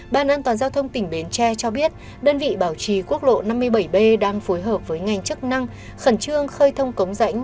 ban an toàn giao thông tỉnh bến tre cho biết đơn vị bảo trì quốc lộ năm mươi bảy b đang phối hợp với ngành chức năng khẩn trương khơi thông cống rãnh